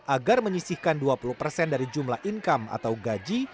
agar menyisihkan dua puluh persen dari jumlah income atau gaji